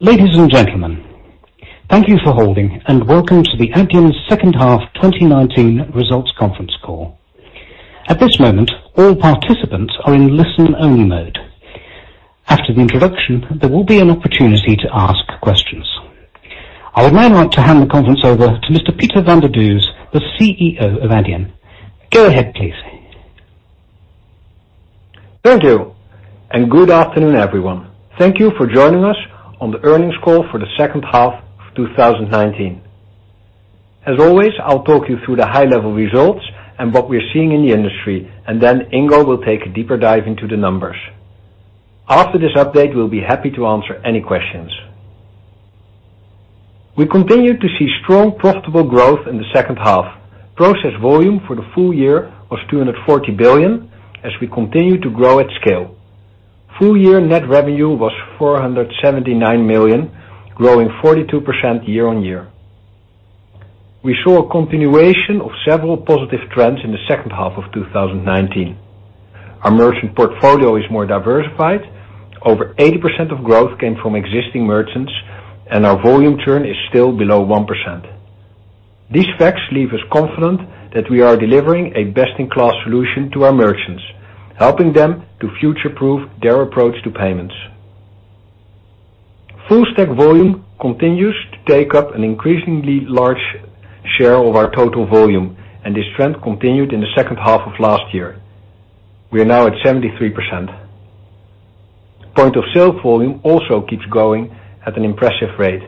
Ladies and gentlemen, thank you for holding and welcome to the Adyen's second half 2019 results conference call. At this moment, all participants are in listen-only mode. After the introduction, there will be an opportunity to ask questions. I would now like to hand the conference over to Mr. Pieter van der Does, the CEO of Adyen. Go ahead, please. Thank you, good afternoon, everyone. Thank you for joining us on the earnings call for the second half of 2019. As always, I'll talk you through the high-level results and what we're seeing in the industry, then Ingo will take a deeper dive into the numbers. After this update, we'll be happy to answer any questions. We continue to see strong, profitable growth in the second half. Process volume for the full year was 240 billion as we continue to grow at scale. Full year net revenue was 479 million, growing 42% year-over-year. We saw a continuation of several positive trends in the second half of 2019. Our merchant portfolio is more diversified. Over 80% of growth came from existing merchants, our volume churn is still below 1%. These facts leave us confident that we are delivering a best-in-class solution to our merchants, helping them to future-proof their approach to payments. full stack volume continues to take up an increasingly large share of our total volume, and this trend continued in the second half of last year. We are now at 73%. Point of sale volume also keeps growing at an impressive rate.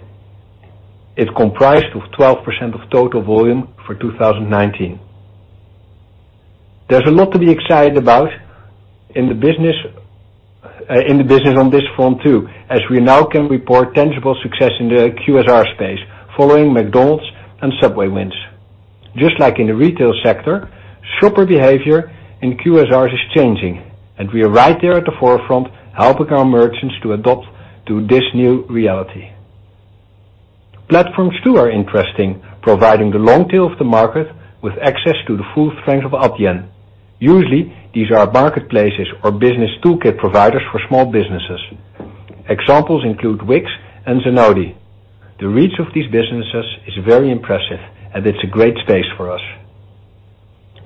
It comprised of 12% of total volume for 2019. There's a lot to be excited about in the business, in the business on this front too, as we now can report tangible success in the QSR space following McDonald's and Subway wins. Just like in the retail sector, shopper behavior in QSR is changing, and we are right there at the forefront helping our merchants to adopt to this new reality. Platforms too are interesting, providing the long tail of the market with access to the full strength of Adyen. Usually, these are marketplaces or business toolkit providers for small businesses. Examples include Wix and Zenoti. The reach of these businesses is very impressive, and it's a great space for us.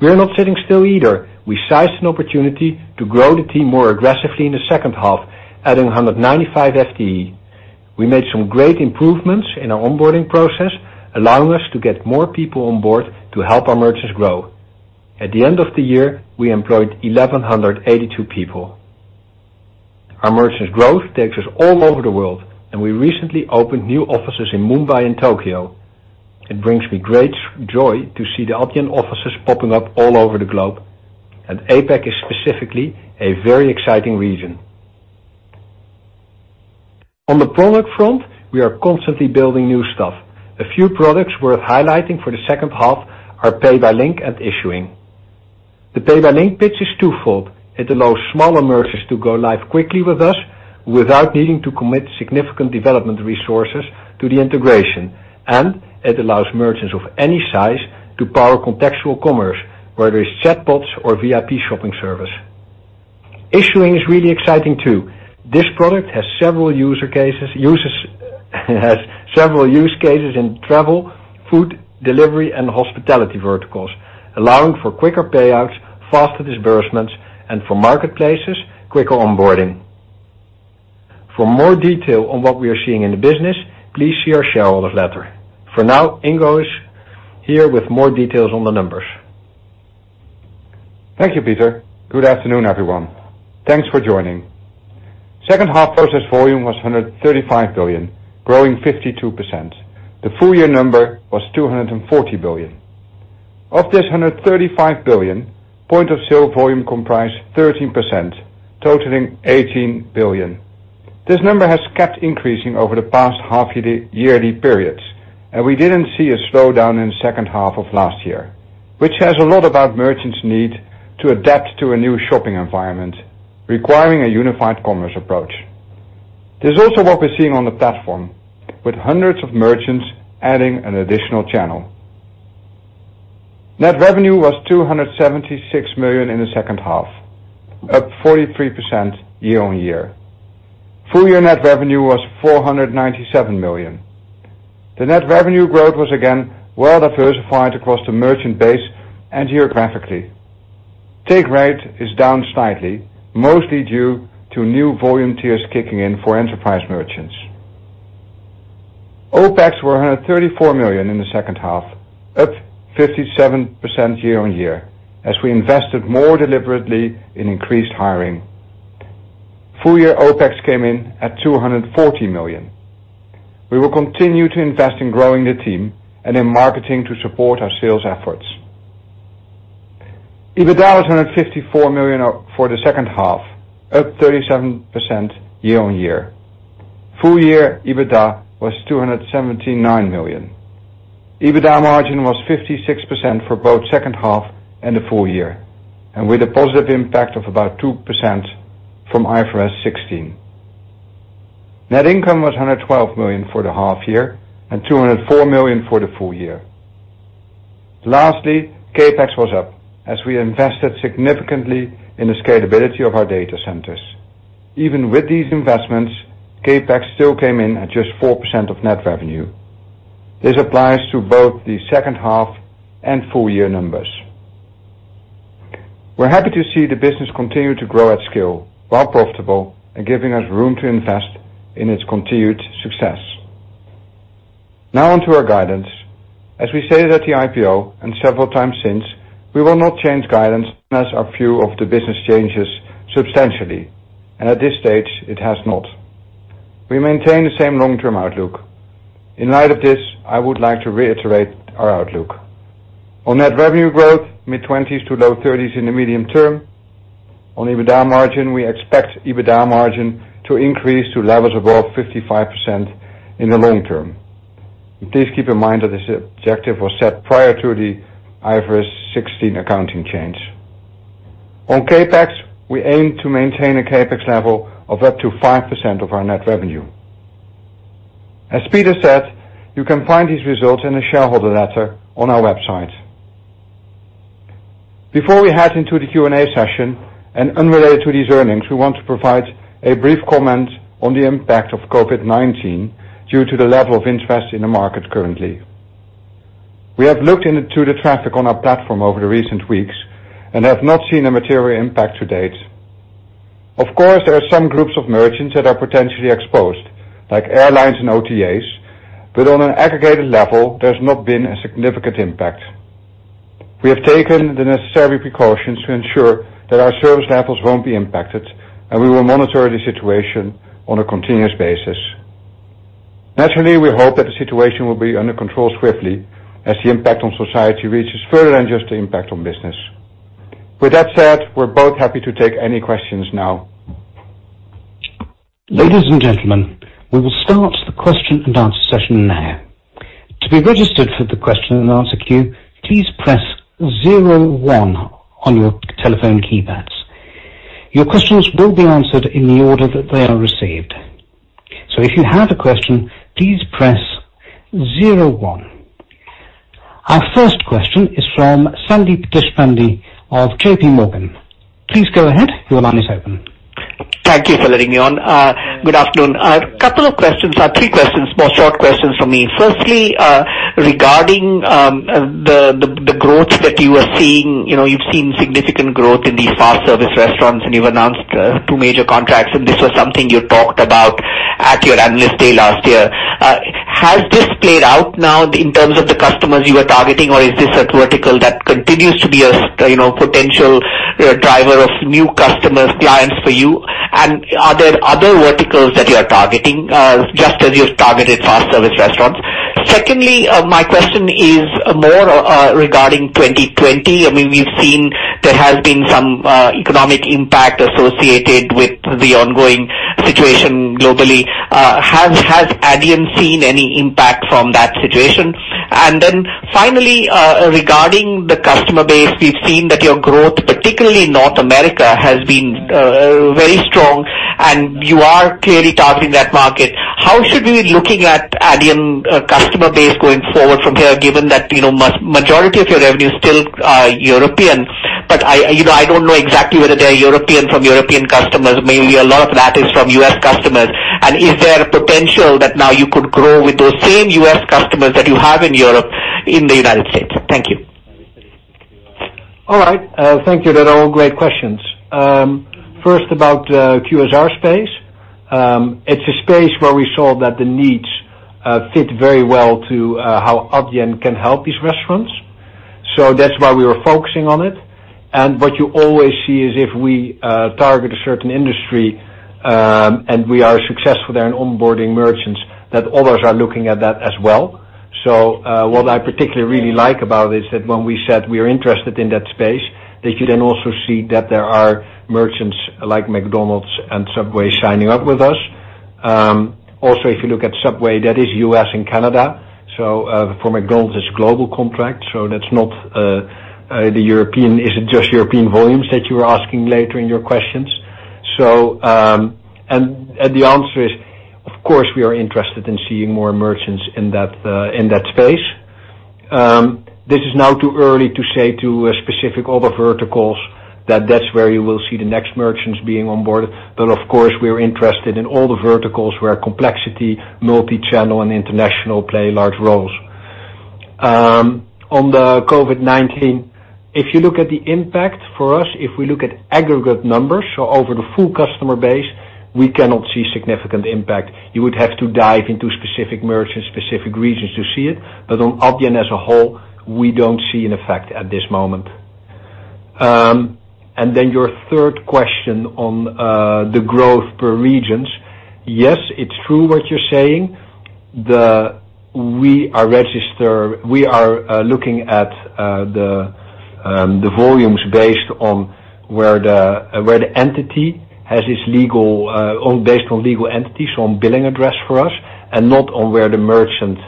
We're not sitting still either. We seized an opportunity to grow the team more aggressively in the second half, adding 195 FTE. We made some great improvements in our onboarding process, allowing us to get more people on board to help our merchants grow. At the end of the year, we employed 1,182 people. Our merchants growth takes us all over the world, and we recently opened new offices in Mumbai and Tokyo. It brings me great joy to see the Adyen offices popping up all over the globe. APAC is specifically a very exciting region. On the product front, we are constantly building new stuff. A few products worth highlighting for the second half are Pay by Link and Issuing. The Pay by Link pitch is twofold. It allows smaller merchants to go live quickly with us without needing to commit significant development resources to the integration, and it allows merchants of any size to power contextual commerce, whether it's chatbots or VIP shopping service. Issuing is really exciting too. This product has several use cases in travel, food, delivery, and hospitality verticals, allowing for quicker payouts, faster disbursements, and for marketplaces, quicker onboarding. For more detail on what we are seeing in the business, please see our shareholder's letter. For now, Ingo is here with more details on the numbers. Thank you, Pieter. Good afternoon, everyone. Thanks for joining. Second half process volume was 135 billion, growing 52%. The full year number was 240 billion. Of this 135 billion, point of sale volume comprised 13%, totaling 18 billion. This number has kept increasing over the past half-yearly periods. We didn't see a slowdown in second half of last year, which says a lot about merchants need to adapt to a new shopping environment requiring a unified commerce approach. This is also what we're seeing on the platform with hundreds of merchants adding an additional channel. Net revenue was 276 million in the second half, up 43% year-on-year. Full year net revenue was 497 million. The net revenue growth was again well diversified across the merchant base and geographically. Take rate is down slightly, mostly due to new volume tiers kicking in for enterprise merchants. OPEX were 134 million in the second half, up 57% year-on-year, as we invested more deliberately in increased hiring. Full year OPEX came in at 240 million. We will continue to invest in growing the team and in marketing to support our sales efforts. EBITDA was 154 million for the second half, up 37% year-on-year. Full year EBITDA was 279 million. EBITDA margin was 56% for both second half and the full year, and with a positive impact of about 2% from IFRS 16. Net income was 112 million for the half year and 204 million for the full year. Lastly, CapEx was up as we invested significantly in the scalability of our data centers. Even with these investments, CapEx still came in at just 4% of net revenue. This applies to both the second half and full year numbers. We're happy to see the business continue to grow at scale while profitable and giving us room to invest in its continued success. Now on to our guidance. As we stated at the IPO and several times since, we will not change guidance unless our view of the business changes substantially, and at this stage, it has not. We maintain the same long-term outlook. In light of this, I would like to reiterate our outlook. On net revenue growth, mid-20s to low 30s in the medium term. On EBITDA margin, we expect EBITDA margin to increase to levels above 55% in the long term. Please keep in mind that this objective was set prior to the IFRS 16 accounting change. On CapEx, we aim to maintain a CapEx level of up to 5% of our net revenue. As Pieter said, you can find these results in the shareholder letter on our website. Before we head into the Q&A session and unrelated to these earnings, we want to provide a brief comment on the impact of COVID-19 due to the level of interest in the market currently. We have looked into the traffic on our platform over the recent weeks and have not seen a material impact to date. Of course, there are some groups of merchants that are potentially exposed, like airlines and OTAs, but on an aggregated level, there's not been a significant impact. We have taken the necessary precautions to ensure that our service levels won't be impacted. We will monitor the situation on a continuous basis. Naturally, we hope that the situation will be under control swiftly as the impact on society reaches further than just the impact on business. With that said, we're both happy to take any questions now. Ladies and gentlemen, we will start the question and answer session now. To be registered for the question and answer queue, please press zero one on your telephone keypads. Your questions will be answered in the order that they are received. If you have a question, please press zero one. Our first question is from Sandeep Deshpande of JPMorgan. Please go ahead. Your line is open. Thank you for letting me on. Good afternoon. A couple of questions or 3 questions, more short questions from me. Firstly, regarding the growth that you are seeing. You know, you've seen significant growth in these QSRs, and you've announced 2 major contracts, and this was something you talked about at your analyst day last year. Has this played out now in terms of the customers you are targeting, or is this a vertical that continues to be a, you know, potential driver of new customers, clients for you? Are there other verticals that you are targeting, just as you've targeted QSRs? Secondly, my question is more regarding 2020. I mean, we've seen there has been some economic impact associated with the ongoing situation globally. Has Adyen seen any impact from that situation? Regarding the customer base, we've seen that your growth, particularly in North America, has been very strong, and you are clearly targeting that market. How should we be looking at Adyen customer base going forward from here, given that, you know, majority of your revenue is still European? I, you know, I don't know exactly whether they're European from European customers. Maybe a lot of that is from U.S. customers. Is there potential that now you could grow with those same U.S. customers that you have in Europe, in the United States? Thank you. All right. Thank you. They're all great questions. First, about QSR space. It's a space where we saw that the needs fit very well to how Adyen can help these restaurants. That's why we were focusing on it. What you always see is if we target a certain industry, and we are successful there in onboarding merchants, that others are looking at that as well. What I particularly really like about it is that when we said we are interested in that space, that you then also see that there are merchants like McDonald's and Subway signing up with us. Also, if you look at Subway, that is U.S. and Canada. For McDonald's, it's global contract. That's not the European is it just European volumes that you are asking later in your questions? The answer is, of course, we are interested in seeing more merchants in that space. This is now too early to say to a specific other verticals that that's where you will see the next merchants being onboarded. Of course, we are interested in all the verticals where complexity, multi-channel and international play large roles. On the COVID-19, if you look at the impact for us, if we look at aggregate numbers, so over the full customer base, we cannot see significant impact. You would have to dive into specific merchants, specific regions to see it. On Adyen as a whole, we don't see an effect at this moment. Then your third question on the growth per regions. Yes, it's true what you're saying. We are looking at the volumes based on where the, where the entity has its legal, or based on legal entities, so on billing address for us, and not on where the merchant,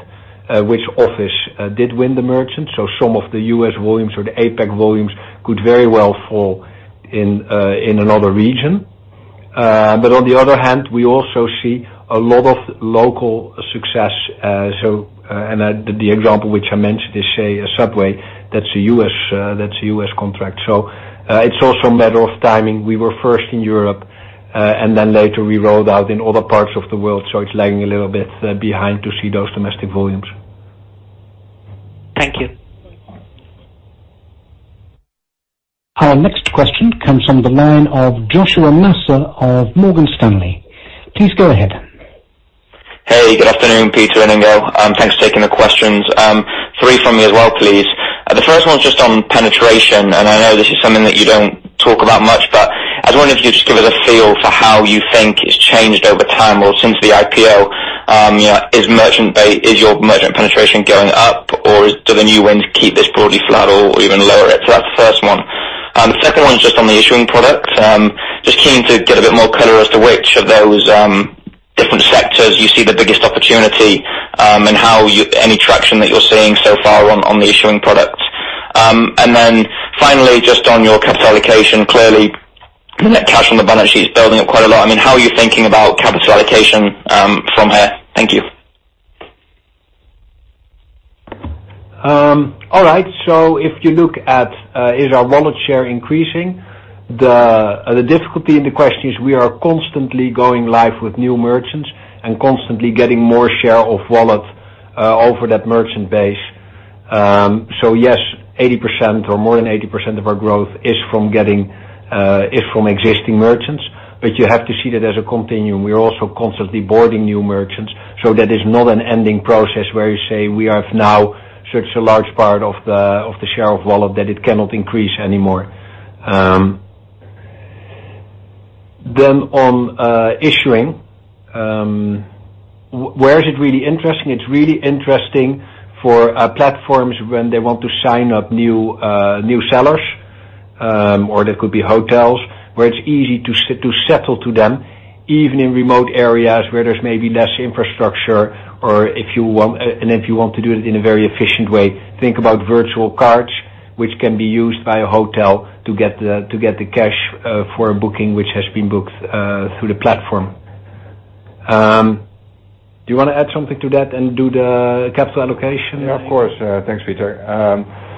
which office, did win the merchant. So some of the U.S. volumes or the APAC volumes could very well fall in another region. On the other hand, we also see a lot of local success. The example which I mentioned is, say, a Subway, that's a U.S., that's a U.S. contract. It's also a matter of timing. We were first in Europe, later we rolled out in other parts of the world. It's lagging a little bit behind to see those domestic volumes. Thank you. Our next question comes from the line of James Faucette of Morgan Stanley. Please go ahead. Hey, good afternoon, Pieter and Ingo. Thanks for taking the questions. Three from me as well, please. The first one's just on penetration, and I know this is something that you don't talk about much, but I was wondering if you could just give us a feel for how you think it's changed over time or since the IPO. You know, is your merchant penetration going up or do the new wins keep this broadly flat or even lower it? That's the first one. The second one is just on the issuing products. Just keen to get a bit more color as to which of those different sectors you see the biggest opportunity, and how you Any traction that you're seeing so far on the issuing products. Finally, just on your capital allocation, clearly the net cash on the balance sheet is building up quite a lot. How are you thinking about capital allocation from here? Thank you. All right. If you look at, is our wallet share increasing, the difficulty in the question is we are constantly going live with new merchants and constantly getting more share of wallet over that merchant base. Yes, 80% or more than 80% of our growth is from getting, is from existing merchants. You have to see that as a continuum. We are also constantly boarding new merchants. That is not an ending process where you say we have now such a large part of the, of the share of wallet that it cannot increase anymore. On issuing, where is it really interesting? It's really interesting for platforms when they want to sign up new sellers, or there could be hotels where it's easy to settle to them, even in remote areas where there's maybe less infrastructure or if you want to do it in a very efficient way. Think about virtual cards, which can be used by a hotel to get the cash for a booking which has been booked through the platform. Do you wanna add something to that and do the capital allocation? Yeah, of course. Thanks, Pieter.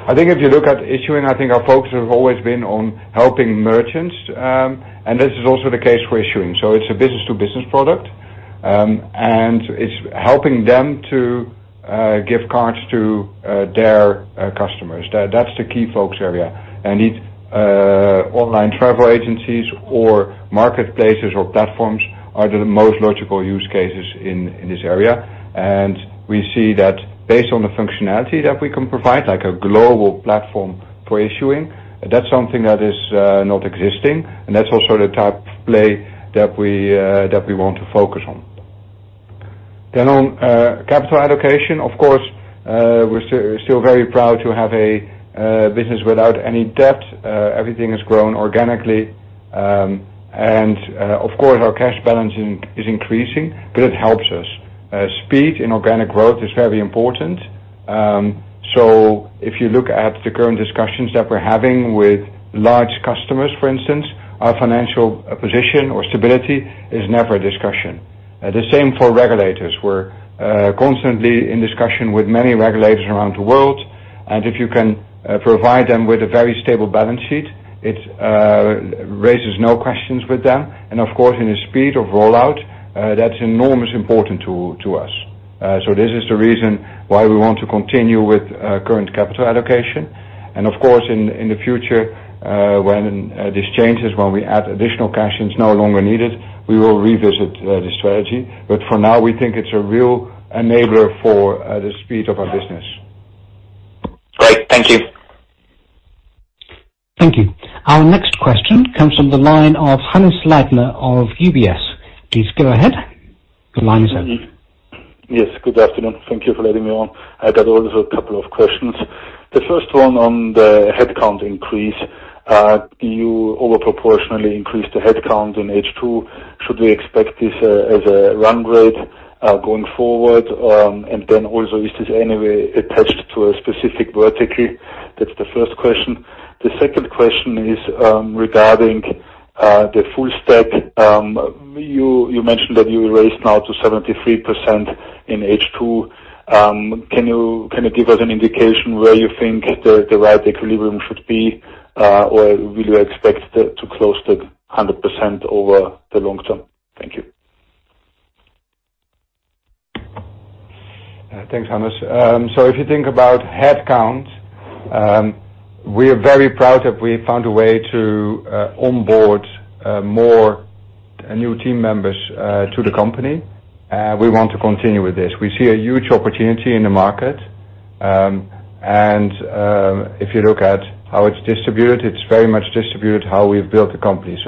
I think if you look at issuing, I think our focus has always been on helping merchants. This is also the case for issuing. It's a business to business product. It's helping them to give cards to their customers. That's the key focus area. Online travel agencies or marketplaces or platforms are the most logical use cases in this area. We see that based on the functionality that we can provide, like a global platform for issuing, that's something that is not existing. That's also the type of play that we want to focus on. On capital allocation, of course, we're still very proud to have a business without any debt. Everything has grown organically. Of course, our cash balance is increasing, but it helps us. Speed and organic growth is very important. If you look at the current discussions that we're having with large customers, for instance, our financial position or stability is never a discussion. The same for regulators. We're constantly in discussion with many regulators around the world, and if you can provide them with a very stable balance sheet, it raises no questions with them. Of course, in the speed of rollout, that's enormously important to us. This is the reason why we want to continue with current capital allocation. Of course, in the future, when this changes, when we add additional cash and it's no longer needed, we will revisit the strategy. For now, we think it's a real enabler for the speed of our business. Great. Thank you. Thank you. Our next question comes from the line of Hannes Leitner of UBS. Yes, good afternoon. Thank you for letting me on. I got also a couple of questions. The first one on the headcount increase. You over proportionally increased the headcount in H2. Should we expect this as a run rate going forward? Also, is this any way attached to a specific vertical? That's the first question. The second question is regarding the full stack. You mentioned that you raised now to 73% in H2. Can you give us an indication where you think the right equilibrium should be? Will you expect it to close to 100% over the long term? Thank you. Thanks, Hannes. If you think about headcount, we are very proud that we found a way to onboard more new team members to the company. We want to continue with this. We see a huge opportunity in the market. If you look at how it's distributed, it's very much distributed how we've built the company.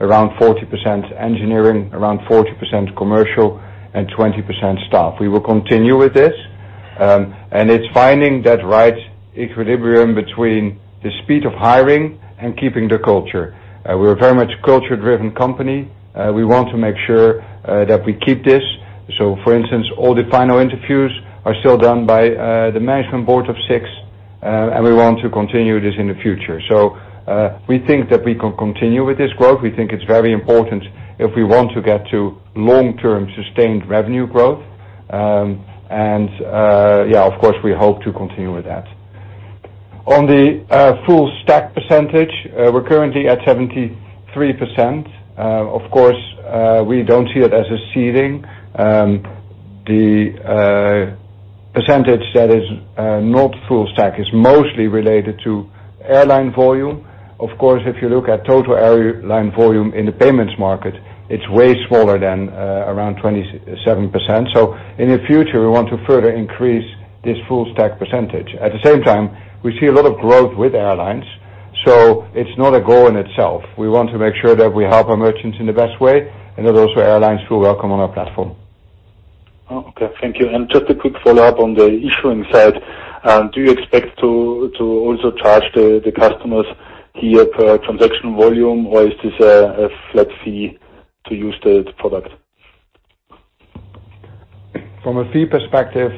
Around 40% engineering, around 40% commercial, and 20% staff. We will continue with this. It's finding that right equilibrium between the speed of hiring and keeping the culture. We're very much a culture-driven company. We want to make sure that we keep this. For instance, all the final interviews are still done by the management board of 6. We want to continue this in the future. We think that we can continue with this growth. We think it's very important if we want to get to long-term sustained revenue growth. Of course, we hope to continue with that. On the full stack percentage, we're currently at 73%. Of course, we don't see it as a ceiling. The percentage that is not full stack is mostly related to airline volume. Of course, if you look at total airline volume in the payments market, it's way smaller than around 27%. In the future, we want to further increase this full stack percentage. At the same time, we see a lot of growth with airlines, so it's not a goal in itself. We want to make sure that we help our merchants in the best way and that also airlines feel welcome on our platform. Okay. Thank you. Just a quick follow-up on the issuing side. Do you expect to also charge the customers here per transaction volume, or is this a flat fee to use the product? From a fee perspective,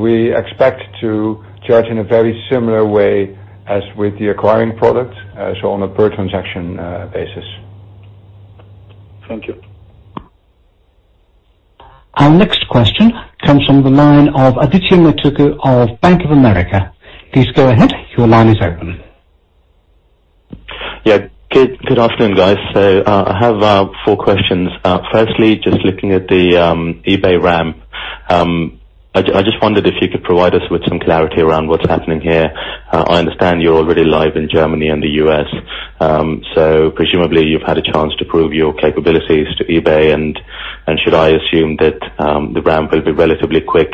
we expect to charge in a very similar way as with the acquiring product, so on a per transaction, basis. Thank you. Our next question comes from the line of Aditya Buddhavarapu of Bank of America. Please go ahead. Your line is open. Yeah. Good afternoon, guys. I have four questions. Firstly, just looking at the eBay ramp. I just wondered if you could provide us with some clarity around what's happening here. I understand you're already live in Germany and the U.S. Presumably you've had a chance to prove your capabilities to eBay and should I assume that the ramp will be relatively quick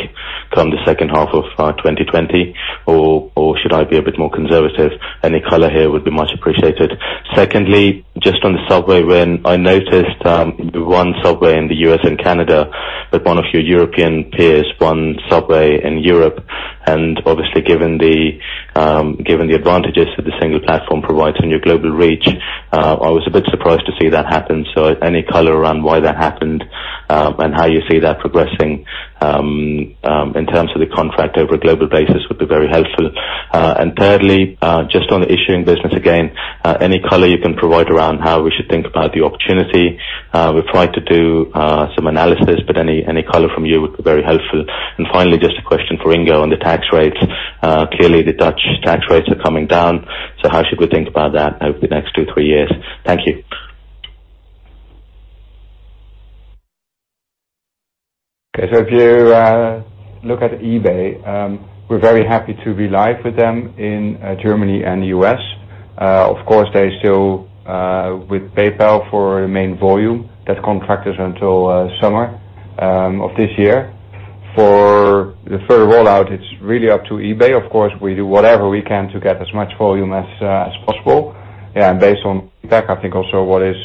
come the second half of 2020, or should I be a bit more conservative? Any color here would be much appreciated. Secondly, just on the Subway win, I noticed one Subway in the U.S. and Canada, but one of your European peers won Subway in Europe. Obviously, given the advantages that the single platform provides in your global reach, I was a bit surprised to see that happen. Any color around why that happened, and how you see that progressing in terms of the contract over a global basis would be very helpful. Thirdly, just on the issuing business, again, any color you can provide around how we should think about the opportunity. We've tried to do some analysis, but any color from you would be very helpful. Finally, just a question for Ingo on the tax rates. Clearly the Dutch tax rates are coming down, how should we think about that over the next 2, 3 years? Thank you. Okay. If you look at eBay, we're very happy to be live with them in Germany and the U.S. Of course, they still with PayPal for main volume. That contract is until summer of this year. For the further rollout, it's really up to eBay. Of course, we do whatever we can to get as much volume as possible. Based on feedback, I think also what is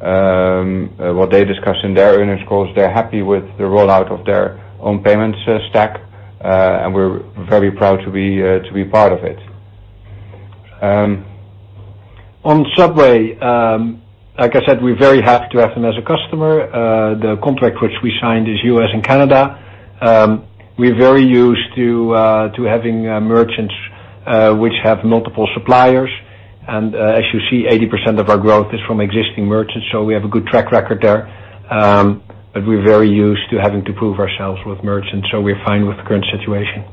what they discuss in their earnings calls, they're happy with the rollout of their own payments stack. We're very proud to be part of it. On Subway, like I said, we are very happy to have them as a customer. The contract which we signed is U.S. and Canada. We are very used to having merchants which have multiple suppliers. As you see, 80% of our growth is from existing merchants, so we have a good track record there. We are very used to having to prove ourselves with merchants, so we are fine with the current situation.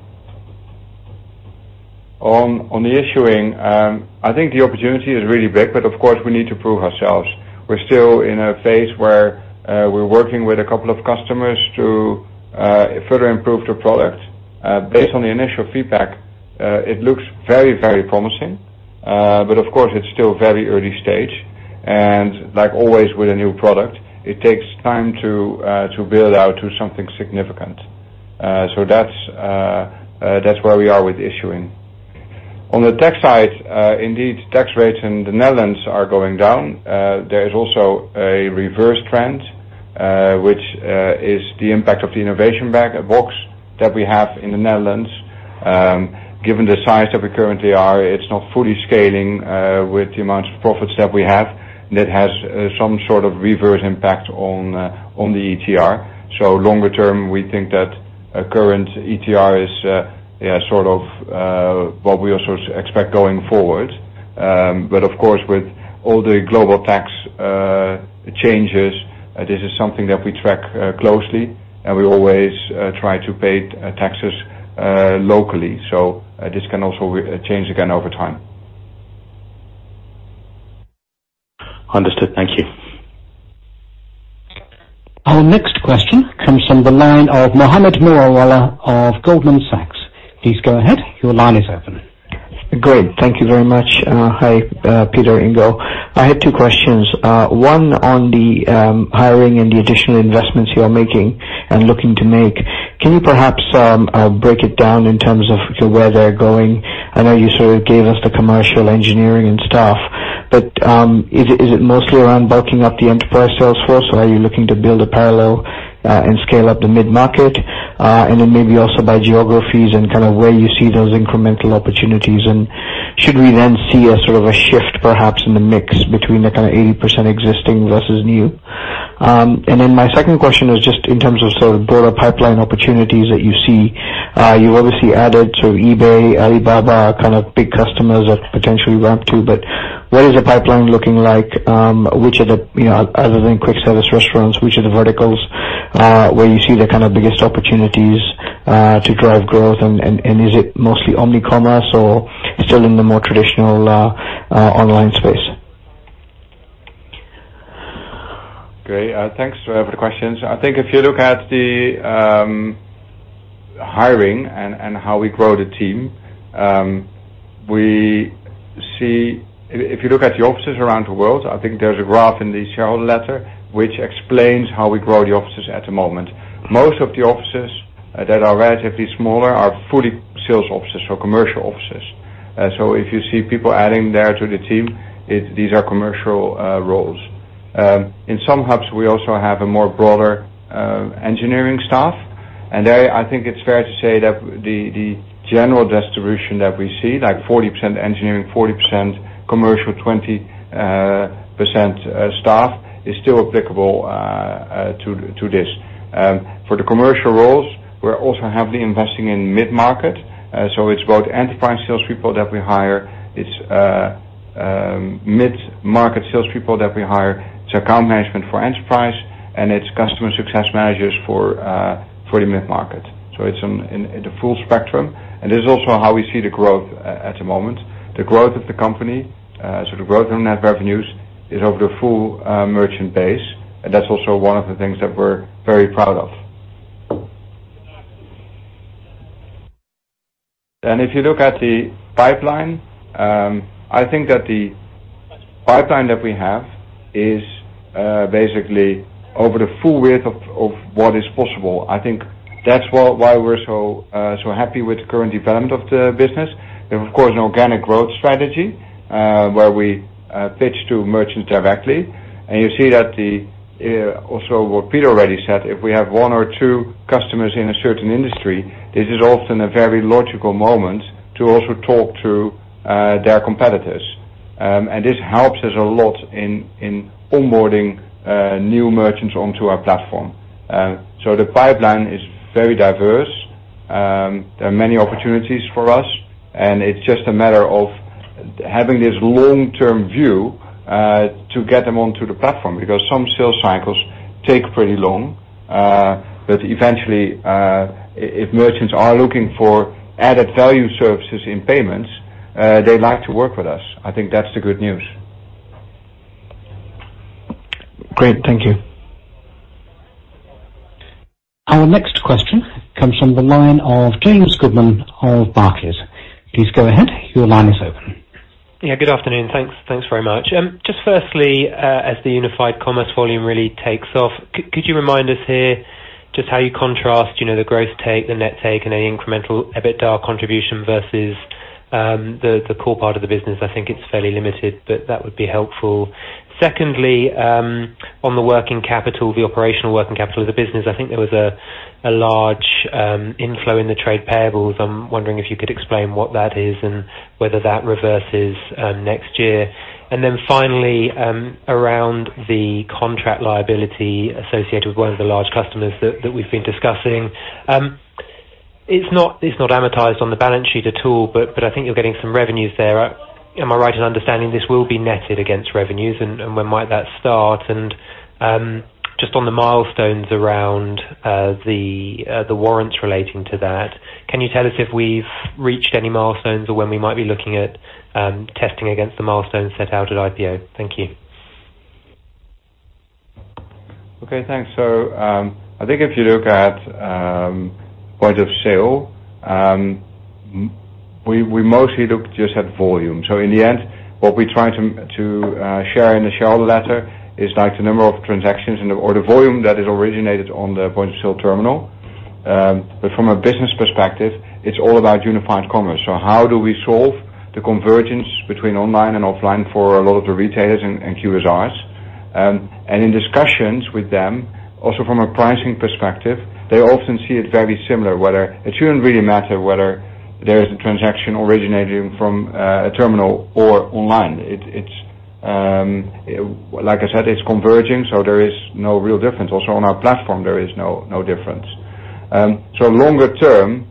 On the issuing, I think the opportunity is really big, of course we need to prove ourselves. We're still in a phase where we're working with a couple of customers to further improve the product. Based on the initial feedback, it looks very promising. Of course it's still very early stage. Like always with a new product, it takes time to build out to something significant. That's where we are with issuing. On the tax side, indeed, tax rates in the Netherlands are going down. There is also a reverse trend, which is the impact of the Innovation Box that we have in the Netherlands. Given the size that we currently are, it's not fully scaling with the amount of profits that we have. That has some sort of reverse impact on the ETR. Longer term, we think that a current ETR is, yeah, sort of, what we also expect going forward. Of course, with all the global tax changes, this is something that we track closely, and we always try to pay taxes locally. This can also change again over time. Understood. Thank you. Our next question comes from the line of Mohammed Moawalla of Goldman Sachs. Please go ahead. Your line is open. Great. Thank you very much. Hi, Pieter, Ingo. I had two questions. One on the hiring and the additional investments you are making and looking to make. Can you perhaps break it down in terms of where they're going? I know you sort of gave us the commercial engineering and stuff, but is it mostly around bulking up the enterprise sales force, or are you looking to build a parallel and scale up the mid-market? Then maybe also by geographies and kind of where you see those incremental opportunities. Should we then see a sort of a shift perhaps in the mix between the kind of 80% existing versus new? Then my second question is just in terms of sort of broader pipeline opportunities that you see. You obviously added to eBay, Alibaba, kind of big customers that potentially ramp too. What is the pipeline looking like? Which are the, you know, other than quick service restaurants, which are the verticals, where you see the kind of biggest opportunities to drive growth? Is it mostly omni-commerce or still in the more traditional online space? Great. Thanks for the questions. I think if you look at the hiring and how we grow the team, we see if you look at the offices around the world, I think there's a graph in the shareholder letter which explains how we grow the offices at the moment. Most of the offices that are relatively smaller are fully sales offices or commercial offices. If you see people adding there to the team, these are commercial roles. In some hubs, we also have a more broader engineering staff. There, I think it's fair to say that the general distribution that we see, like 40% engineering, 40% commercial, 20% staff is still applicable to this. For the commercial roles, we're also heavily investing in mid-market. It's both enterprise salespeople that we hire. It's mid-market salespeople that we hire. It's account management for enterprise, and it's customer success managers for the mid-market. It's in the full spectrum. This is also how we see the growth at the moment. The growth of the company, the growth in net revenues is over the full merchant base. That's also one of the things that we're very proud of. If you look at the pipeline, I think that the pipeline that we have is basically over the full width of what is possible. I think that's why we're so happy with the current development of the business. We have, of course, an organic growth strategy, where we pitch to merchants directly. You see that the, also what Pieter already said, if we have one or two customers in a certain industry, this is often a very logical moment to also talk to their competitors. This helps us a lot in onboarding new merchants onto our platform. The pipeline is very diverse. There are many opportunities for us, and it's just a matter of having this long-term view to get them onto the platform because some sales cycles take pretty long. Eventually, if merchants are looking for added value services in payments, they like to work with us. I think that's the good news. Great. Thank you. Our next question comes from the line of James Goodman of Barclays. Please go ahead. Your line is open. Yeah, good afternoon. Thanks. Thanks very much. Just firstly, as the unified commerce volume really takes off, could you remind us here just how you contrast, you know, the growth take, the net take, and any incremental EBITDA contribution versus the core part of the business? I think it's fairly limited, but that would be helpful. Secondly, on the working capital, the operational working capital of the business, I think there was a large inflow in the trade payables. I'm wondering if you could explain what that is and whether that reverses next year. Then finally, around the contract liability associated with one of the large customers that we've been discussing. It's not amortized on the balance sheet at all, but I think you're getting some revenues there. Am I right in understanding this will be netted against revenues and when might that start? Just on the milestones around the warrants relating to that, can you tell us if we've reached any milestones or when we might be looking at testing against the milestones set out at IPO? Thank you. Okay, thanks. I think if you look at point of sale, we mostly look just at volume. In the end, what we try to share in the shareholder letter is like the number of transactions or the volume that is originated on the point of sale terminal. From a business perspective, it's all about unified commerce. How do we solve the convergence between online and offline for a lot of the retailers and QSRs? In discussions with them, also from a pricing perspective, they often see it very similar, whether it shouldn't really matter whether there is a transaction originating from a terminal or online. It's, like I said, it's converging, so there is no real difference. Also on our platform, there is no difference. Longer term,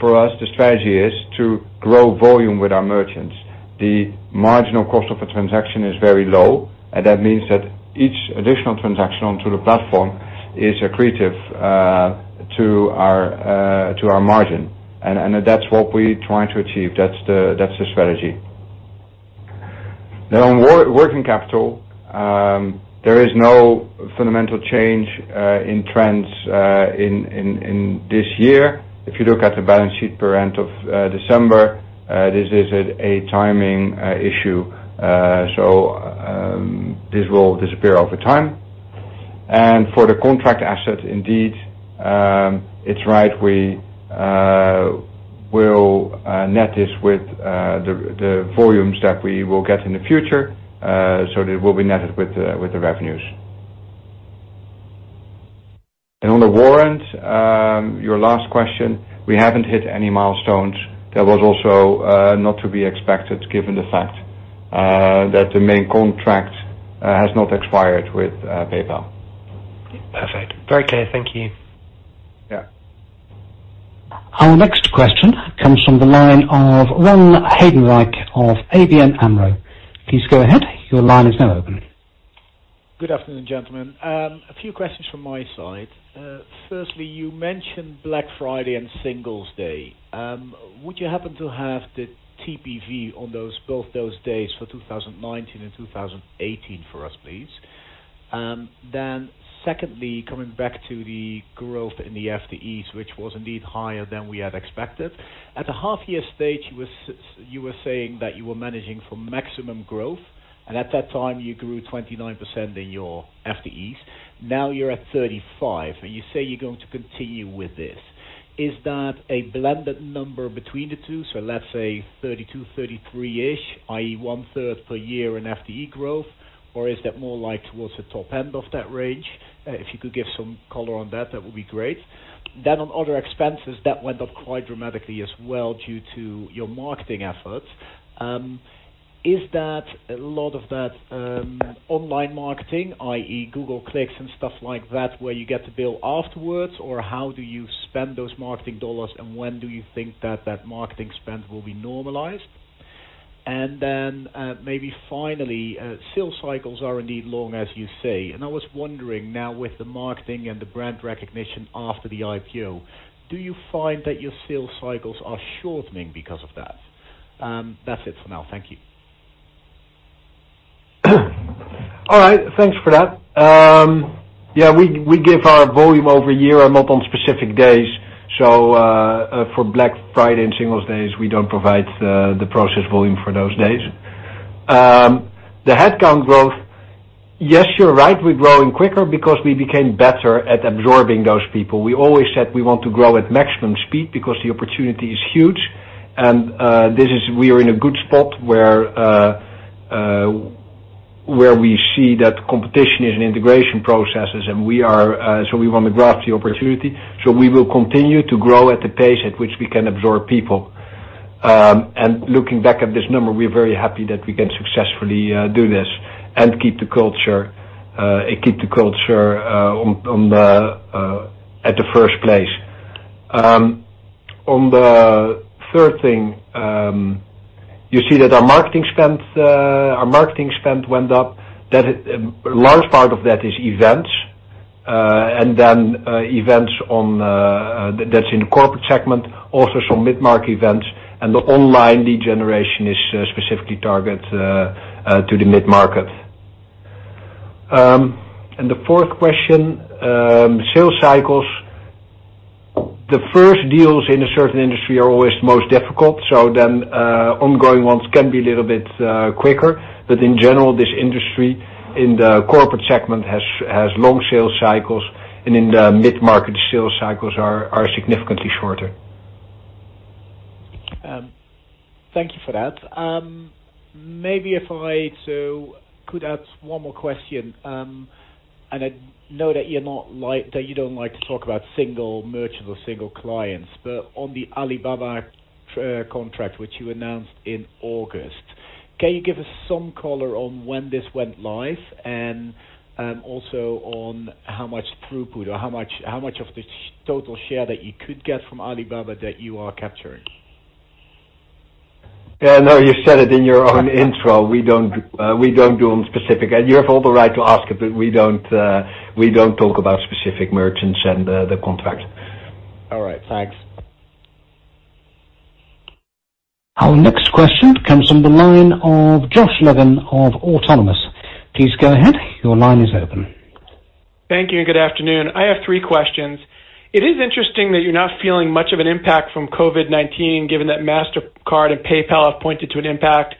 for us, the strategy is to grow volume with our merchants. The marginal cost of a transaction is very low. That means that each additional transaction onto the platform is accretive to our to our margin. That's what we try to achieve. That's the strategy. On working capital, there is no fundamental change in trends in this year. If you look at the balance sheet per end of December, this is a timing issue. This will disappear over time. For the contract assets, indeed, it's right. We will net this with the volumes that we will get in the future. It will be netted with the revenues. On the warrant, your last question, we haven't hit any milestones. That was also not to be expected given the fact that the main contract has not expired with PayPal. Perfect. Very clear. Thank you. Yeah. Our next question comes from the line of Ron Heijdenrijk of ABN AMRO. Please go ahead. Your line is now open. Good afternoon, gentlemen. A few questions from my side. Firstly, you mentioned Black Friday and Singles Day. Would you happen to have the TPV on both those days for 2019 and 2018 for us, please? Secondly, coming back to the growth in the FTEs, which was indeed higher than we had expected. At the half year stage, you were saying that you were managing for maximum growth, and at that time, you grew 29% in your FTEs. Now you're at 35, and you say you're going to continue with this. Is that a blended number between the two? Let's say 32, 33-ish, i.e, one-third per year in FTE growth, or is that more like towards the top end of that range? If you could give some color on that would be great. On other expenses, that went up quite dramatically as well due to your marketing efforts. Is that a lot of that online marketing, i.e., Google clicks and stuff like that, where you get to bill afterwards? How do you spend those marketing dollars, and when do you think that that marketing spend will be normalized? Maybe finally, sales cycles are indeed long, as you say. I was wondering now with the marketing and the brand recognition after the IPO, do you find that your sales cycles are shortening because of that? That's it for now. Thank you. All right. Thanks for that. Yeah, we give our volume over a year and not on specific days. For Black Friday and Singles Days, we don't provide the process volume for those days. The headcount growth, yes, you're right, we're growing quicker because we became better at absorbing those people. We always said we want to grow at maximum speed because the opportunity is huge. We are in a good spot where we see that competition is in integration processes. We wanna grasp the opportunity. We will continue to grow at the pace at which we can absorb people. Looking back at this number, we are very happy that we can successfully do this and keep the culture at the first place. On the third thing, you see that our marketing spend went up. Large part of that is events on that's in corporate segment, also some mid-market events, and the online lead generation is specifically target to the mid-market. The fourth question, sales cycles. The first deals in a certain industry are always the most difficult. Ongoing ones can be a little bit quicker. In general, this industry in the corporate segment has long sales cycles, and in the mid-market, sales cycles are significantly shorter. Thank you for that. Maybe if I could ask 1 more question. I know that you don't like to talk about single merchants or single clients. On the Alibaba contract, which you announced in August, can you give us some color on when this went live and also on how much throughput or how much of the total share that you could get from Alibaba that you are capturing? Yeah, no, you said it in your own intro. We don't, we don't do them specific. You have all the right to ask it, but we don't, we don't talk about specific merchants and the contract. All right. Thanks. Our next question comes from the line of Josh Levin of Autonomous. Please go ahead. Your line is open. Thank you and good afternoon. I have three questions. It is interesting that you're not feeling much of an impact from COVID-19, given that Mastercard and PayPal have pointed to an impact,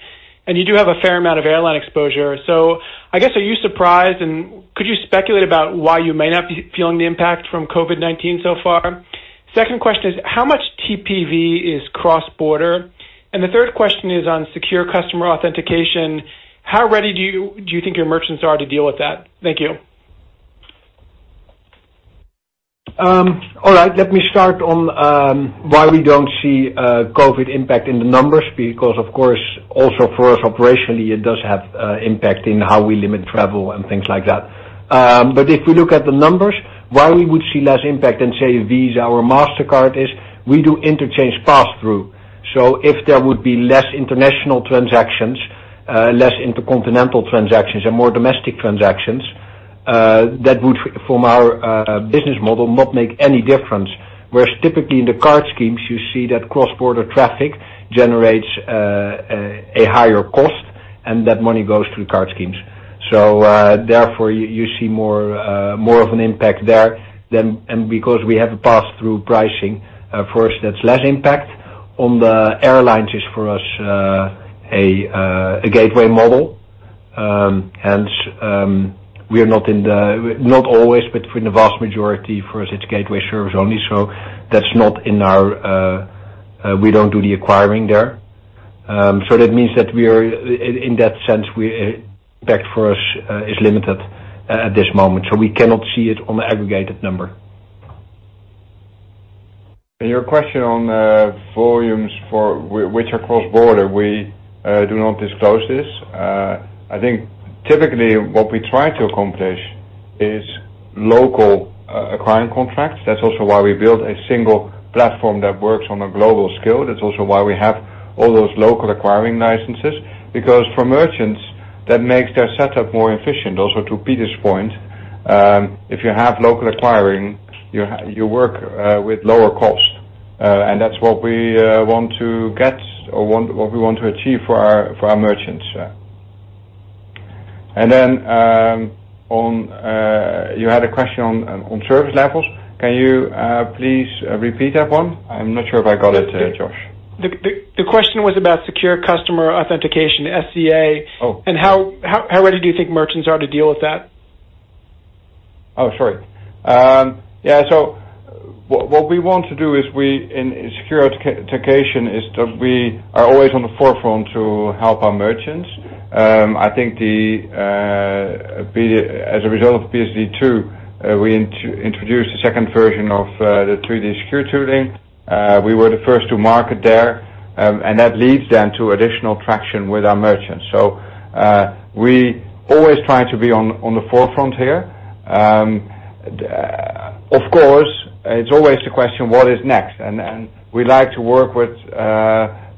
and you do have a fair amount of airline exposure. I guess, are you surprised, and could you speculate about why you may not be feeling the impact from COVID-19 so far? Second question is, how much TPV is cross-border? The third question is on secure customer authentication. How ready do you think your merchants are to deal with that? Thank you. All right. Let me start on why we don't see COVID impact in the numbers because of course, also for us operationally, it does have impact in how we limit travel and things like that. If we look at the numbers, why we would see less impact than say Visa or Mastercard is we do interchange passthrough. If there would be less international transactions, less intercontinental transactions and more domestic transactions, that would from our business model not make any difference. Whereas typically in the card schemes, you see that cross-border traffic generates a higher cost, and that money goes to the card schemes. Therefore, you see more more of an impact there than. Because we have a passthrough pricing, for us that's less impact. On the airlines is for us a gateway model. Not always, but for the vast majority, for us, it's gateway service only. That's not in our, we don't do the acquiring there. That means that we are, in that sense, we impact for us is limited at this moment. We cannot see it on the aggregated number. Your question on volumes for which are cross-border, we do not disclose this. I think typically what we try to accomplish is local acquiring contracts. That's also why we build a single platform that works on a global scale. That's also why we have all those local acquiring licenses. Because for merchants, that makes their setup more efficient. Also, to Pieter's point, if you have local acquiring, you work with lower cost. That's what we want to get or want what we want to achieve for our, for our merchants. Yeah. Then on, you had a question on service levels. Can you please repeat that one? I'm not sure if I got it, Josh. The question was about Strong Customer Authentication, SCA. Oh. How ready do you think merchants are to deal with that? Oh, sorry. What we want to do is we in secure authentication is that we are always on the forefront to help our merchants. I think the, as a result of PSD2, we introduced the second version of the 3-D Secure tooling. We were the first to market there. That leads then to additional traction with our merchants. We always try to be on the forefront here. Of course, it's always the question, what is next? We like to work with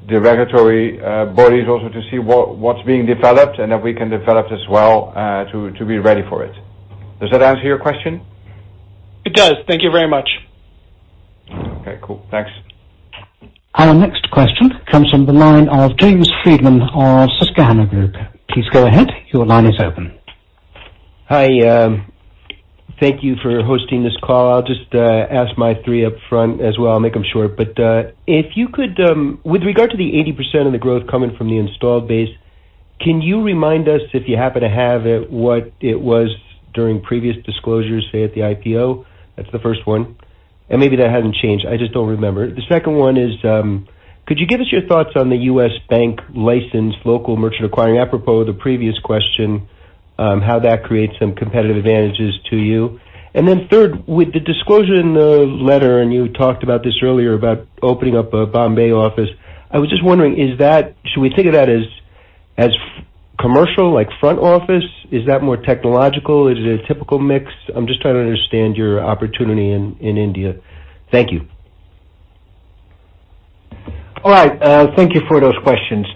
the regulatory bodies also to see what's being developed and that we can develop as well to be ready for it. Does that answer your question? It does. Thank you very much. Okay, cool. Thanks. Our next question comes from the line of James Friedman of Susquehanna Group. Please go ahead. Your line is open. Hi, thank you for hosting this call. I'll just ask my three up front as well, make them short. If you could, with regard to the 80% of the growth coming from the installed base, can you remind us, if you happen to have it, what it was during previous disclosures, say, at the IPO? That's the first one. Maybe that hasn't changed. I just don't remember. The second one is, could you give us your thoughts on the U.S. bank licensed local merchant acquiring, apropos the previous question, how that creates some competitive advantages to you. Third, with the disclosure in the letter, and you talked about this earlier, about opening up a Bombay office, I was just wondering, should we think of that as commercial, like front office? Is that more technological? Is it a typical mix? I am just trying to understand your opportunity in India. Thank you. Thank you for those questions.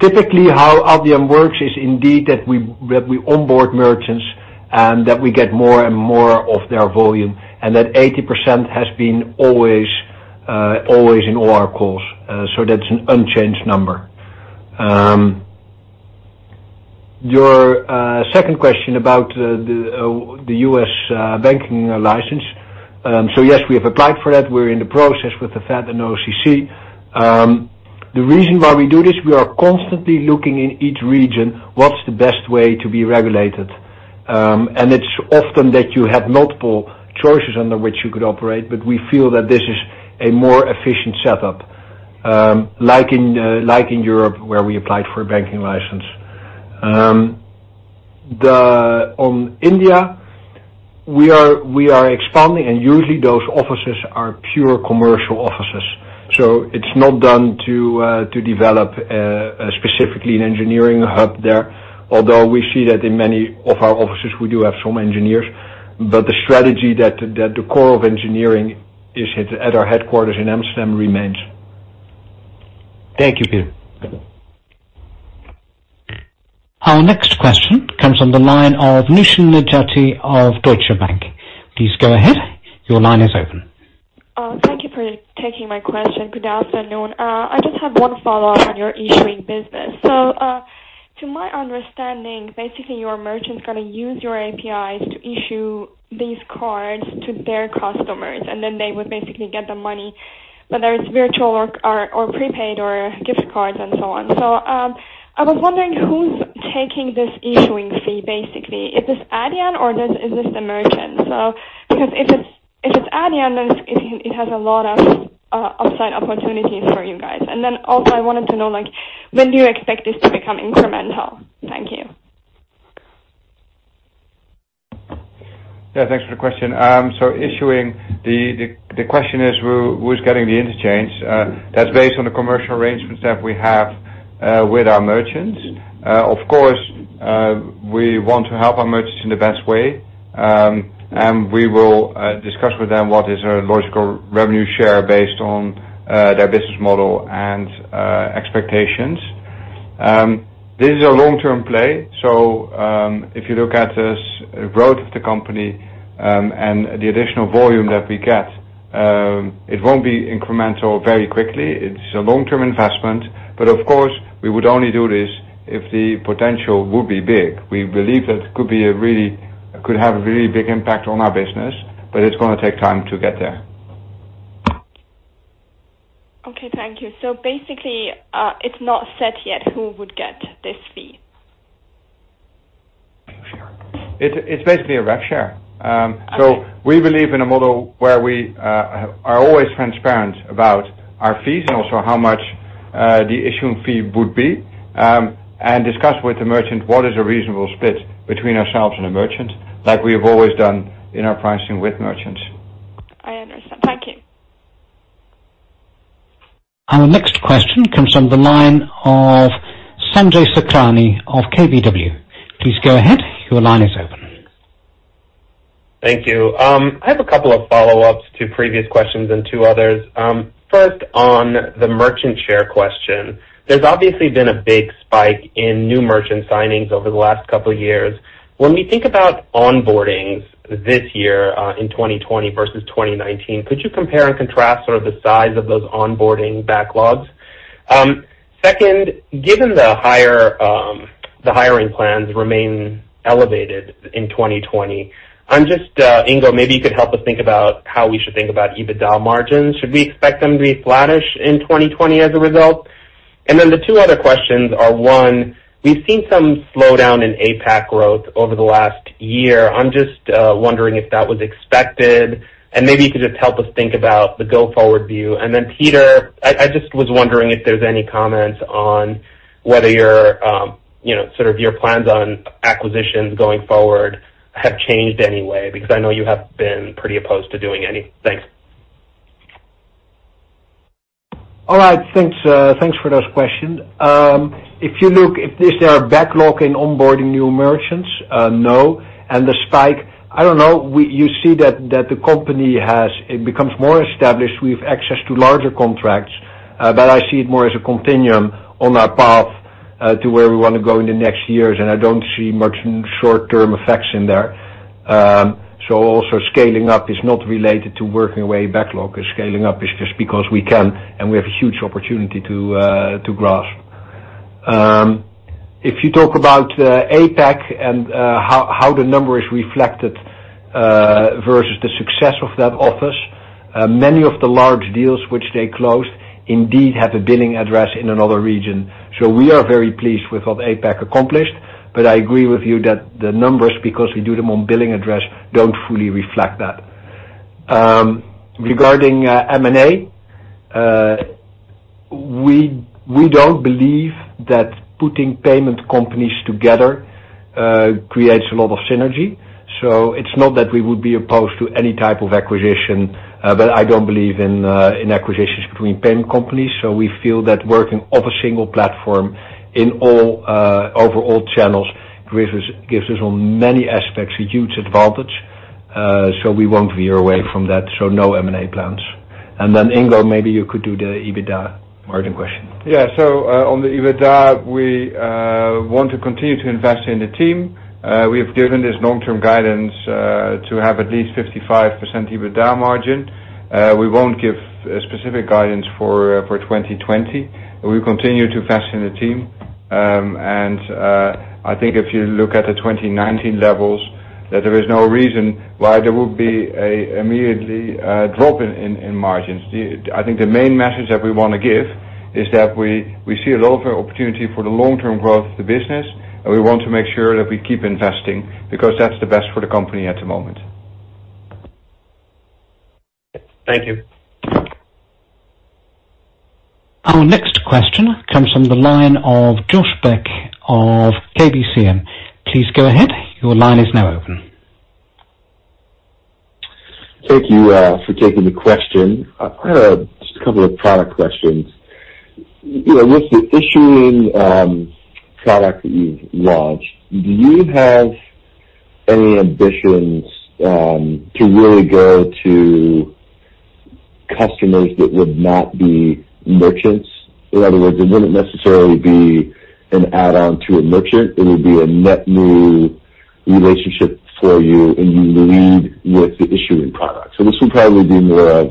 Typically how Adyen works is indeed that we onboard merchants, and that we get more and more of their volume, and that 80% has been always in all our calls. That's an unchanged number. Your second question about the U.S. banking license. Yes, we have applied for that. We're in the process with the Fed and OCC. The reason why we do this, we are constantly looking in each region what's the best way to be regulated. It's often that you have multiple choices under which you could operate, but we feel that this is a more efficient setup, like in Europe, where we applied for a banking license. On India, we are expanding, and usually those offices are pure commercial offices. It's not done to develop specifically an engineering hub there. Although we see that in many of our offices, we do have some engineers. The strategy that the core of engineering is at our headquarters in Amsterdam remains. Thank you, Pieter. Our next question comes from the line of Nishin Najati of Deutsche Bank. Please go ahead. Your line is open. Thank you for taking my question. Good afternoon. I just have 1 follow-up on your issuing business. To my understanding, basically your merchant's gonna use your APIs to issue these cards to their customers, and then they would basically get the money, whether it's virtual or prepaid or gift cards and so on. I was wondering who's taking this issuing fee, basically. Is this Adyen or is this the merchant? Because if it's Adyen, then it's it has a lot of upside opportunities for you guys. Also I wanted to know, like, when do you expect this to become incremental? Thank you. Thanks for the question. Issuing the question is who's getting the interchange? That's based on the commercial arrangements that we have with our merchants. Of course, we want to help our merchants in the best way. And we will discuss with them what is a logical revenue share based on their business model and expectations. This is a long-term play. If you look at this growth of the company and the additional volume that we get, it won't be incremental very quickly. It's a long-term investment. Of course, we would only do this if the potential would be big. We believe that could have a really big impact on our business, but it's going to take time to get there. Okay. Thank you. Basically, it's not set yet who would get this fee? It's basically a rev share. Okay. We believe in a model where we are always transparent about our fees and also how much the issuing fee would be, and discuss with the merchant what is a reasonable split between ourselves and the merchant like we have always done in our pricing with merchants. I understand. Thank you. Our next question comes from the line of Sanjay Sakhrani of KBW. Please go ahead. Your line is open. Thank you. I have a couple of follow-ups to previous questions and two others. First, on the merchant share question. There's obviously been a big spike in new merchant signings over the last couple of years. When we think about onboardings this year, in 2020 versus 2019, could you compare and contrast sort of the size of those onboarding backlogs? Second, given the higher, the hiring plans remain elevated in 2020, I'm just Ingo, maybe you could help us think about how we should think about EBITDA margins. Should we expect them to be flattish in 2020 as a result? The two other questions are, one, we've seen some slowdown in APAC growth over the last year. I'm just wondering if that was expected, and maybe you could just help us think about the go-forward view. Pieter, I just was wondering if there's any comments on whether your, you know, sort of your plans on acquisitions going forward have changed in any way because I know you have been pretty opposed to doing any. Thanks. All right. Thanks, thanks for those questions. If you look, if this, there are backlog in onboarding new merchants, no. The spike, I don't know. You see that the company has It becomes more established. We have access to larger contracts, but I see it more as a continuum on our path to where we wanna go in the next years, and I don't see much short-term effects in there. Also scaling up is not related to working away backlog. Scaling up is just because we can, we have a huge opportunity to grasp. If you talk about APAC and how the number is reflected versus the success of that office, many of the large deals which they closed indeed have a billing address in another region. We are very pleased with what APAC accomplished, but I agree with you that the numbers, because we do them on billing address, don't fully reflect that. Regarding M&A, we don't believe that putting payment companies together creates a lot of synergy. It's not that we would be opposed to any type of acquisition, but I don't believe in acquisitions between payment companies. We feel that working off a single platform in all over all channels gives us on many aspects a huge advantage. We won't veer away from that. No M&A plans. Ingo, maybe you could do the EBITDA margin question. Yeah. On the EBITDA, we want to continue to invest in the team. We have given this long-term guidance to have at least 55% EBITDA margin. We won't give specific guidance for 2020. We'll continue to invest in the team. I think if you look at the 2019 levels, that there is no reason why there would be a immediately drop in margins. I think the main message that we wanna give is that we see a lot of opportunity for the long-term growth of the business, and we want to make sure that we keep investing because that's the best for the company at the moment. Thank you. Our next question comes from the line of Josh Beck of KBCM. Please go ahead. Your line is now open. Thank you for taking the question. I have just a couple of product questions. You know, with the issuing product that you've launched, do you have any ambitions to really go to customers that would not be merchants? In other words, it wouldn't necessarily be an add-on to a merchant. It would be a net new relationship for you, and you lead with the issuing product. This would probably be more of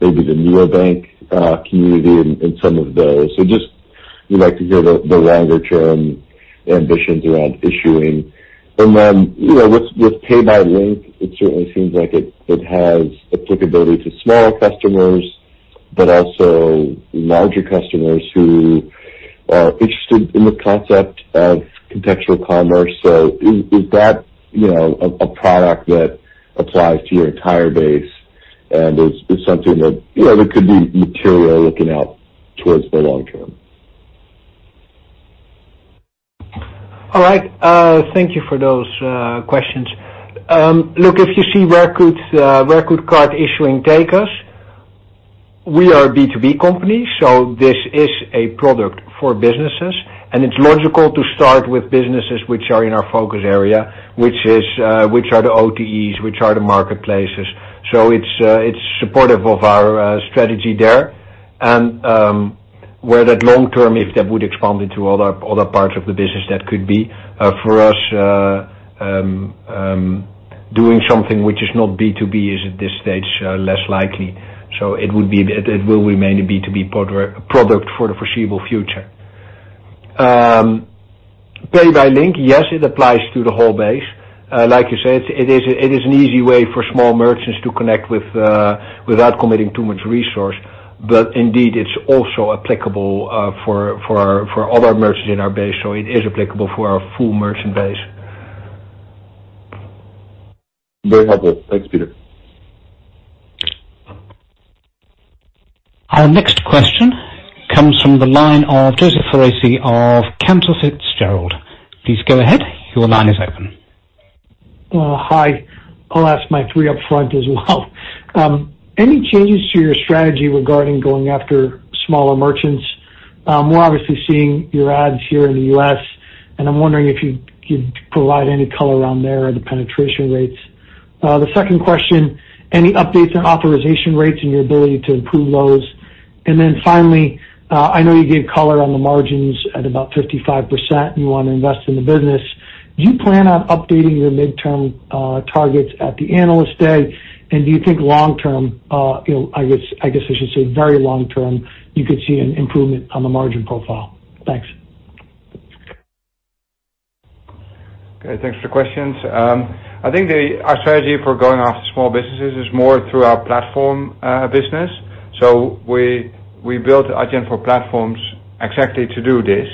maybe the newer bank community and some of those. Just we'd like to hear the longer term ambitions around issuing. You know, with Pay by Link, it certainly seems like it has applicability to smaller customers, but also larger customers who are interested in the concept of contextual commerce. Is that, you know, a product that applies to your entire base and is something that, you know, there could be material looking out towards the long term? All right. Thank you for those questions. Look, if you see where could, where could card issuing take us, we are a B2B company, so this is a product for businesses, and it's logical to start with businesses which are in our focus area, which are the OTAs, which are the marketplaces. It's supportive of our strategy there. Where that long term, if that would expand into other parts of the business, that could be. For us, doing something which is not B2B is at this stage less likely. It will remain a B2B product for the foreseeable future. Pay by Link, yes, it applies to the whole base. Like you said, it is an easy way for small merchants to connect with without committing too much resource. Indeed, it is also applicable for other merchants in our base. It is applicable for our full merchant base. Very helpful. Thanks, Pieter. Our next question comes from the line of Joseph Foresi of Cantor Fitzgerald. Please go ahead. Your line is open. Hi. I'll ask my 3 upfront as well. Any changes to your strategy regarding going after smaller merchants? We're obviously seeing your ads here in the U.S., and I'm wondering if you provide any color around there or the penetration rates. The second question, any updates on authorization rates and your ability to improve those? Finally, I know you gave color on the margins at about 55%, and you wanna invest in the business. Do you plan on updating your midterm targets at the analyst day? Do you think long term, you know, I should say very long term, you could see an improvement on the margin profile? Thanks. Okay. Thanks for the questions. I think our strategy for going after small businesses is more through our platform business. We built Adyen for Platforms exactly to do this,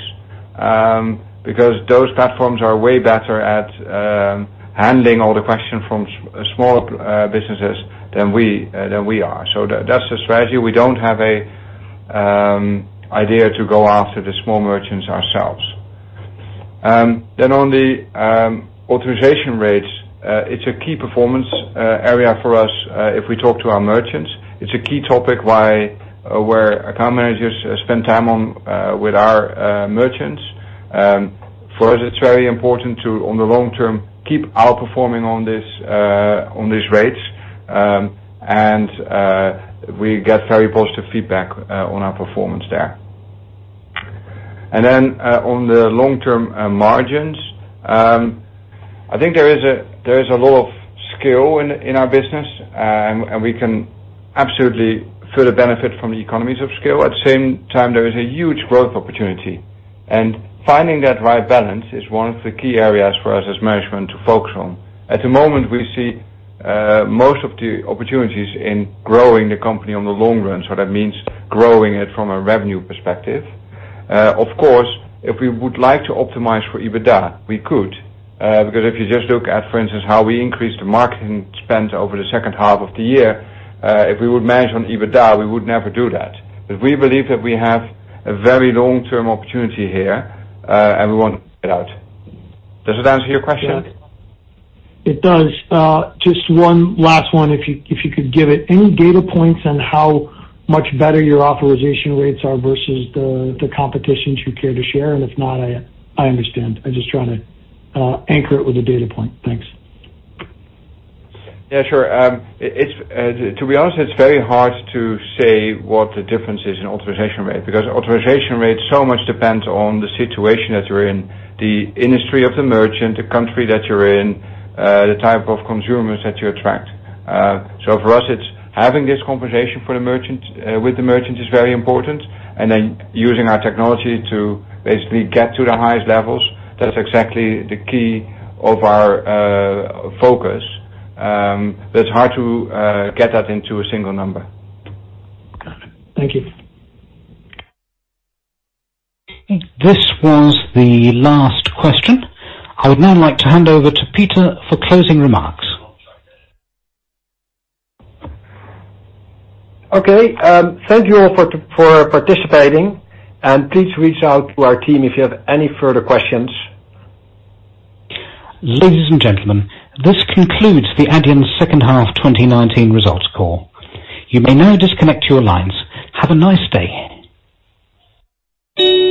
because those platforms are way better at handling all the questions from small businesses than we than we are. That's the strategy. We don't have a idea to go after the small merchants ourselves. On the authorization rates, it's one key performance area for us if we talk to our merchants. It's a key topic why where account managers spend time on with our merchants. For us it's very important to, on the long term, keep outperforming on this on these rates. We get very positive feedback on our performance there. On the long-term margins, I think there is a lot of scale in our business. We can absolutely further benefit from the economies of scale. At the same time, there is a huge growth opportunity. Finding that right balance is one of the key areas for us as management to focus on. At the moment, we see most of the opportunities in growing the company on the long run, so that means growing it from a revenue perspective. Of course, if we would like to optimize for EBITDA, we could. If you just look at, for instance, how we increased the marketing spend over the second half of the year, if we would manage on EBITDA, we would never do that. We believe that we have a very long-term opportunity here, and we want to get out. Does that answer your question? It does. Just one last one, if you could give it. Any data points on how much better your authorization rates are versus the competition you care to share? If not, I understand. I'm just trying to anchor it with a data point. Thanks. Yeah, sure. It's to be honest, it's very hard to say what the difference is in authorization rate, because authorization rate so much depends on the situation that you're in, the industry of the merchant, the country that you're in, the type of consumers that you attract. For us it's having this conversation for the merchant, with the merchant is very important, and then using our technology to basically get to the highest levels. That's exactly the key of our focus. It's hard to get that into a single number. Got it. Thank you. This was the last question. I would now like to hand over to Pieter for closing remarks. Okay. Thank you all for participating, and please reach out to our team if you have any further questions. Ladies and gentlemen, this concludes the Adyen's second half 2019 results call. You may now disconnect your lines. Have a nice day.